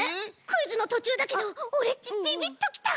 クイズのとちゅうだけどオレっちビビッときた！